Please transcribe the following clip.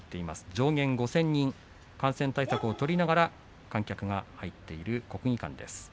上限５０００人感染対策を取りながら観客が入っている国技館です。